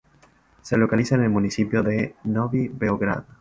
Se localiza en el municipio de Novi Beograd.